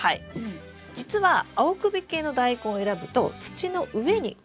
実は青首系のダイコンを選ぶと土の上に肩が長く出るんですよ。